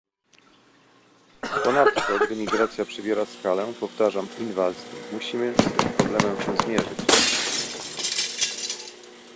Ponadto, gdy migracja przybiera skalę- powtarzam - inwazji, musimy z tym problemem się zmierzyć